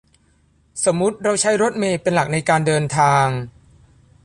สมมติเราใช้รถเมล์เป็นหลักในการเดินทาง